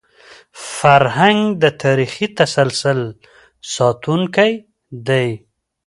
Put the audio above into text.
فرهنګ د تاریخي تسلسل ساتونکی دی.